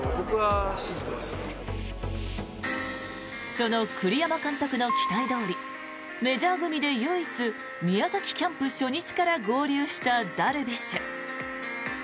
その栗山監督の期待どおりメジャー組で唯一宮崎キャンプ初日から合流したダルビッシュ。